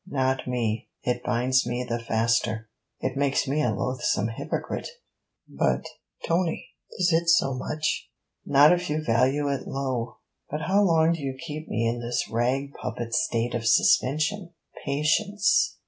'Not me. It binds me the faster.' 'It makes me a loathsome hypocrite.' 'But, Tony! is it so much?' 'Not if you value it low.' 'But how long do you keep me in this rag puppet's state of suspension?' 'Patience.'